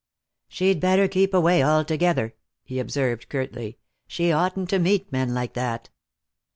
"She'd better keep away altogether," he observed, curtly. "She oughtn't to meet men like that."